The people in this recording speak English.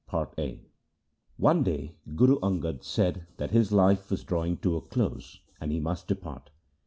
Chapter VII One day Guru Angad said that his life was drawing to a close, and he must depart.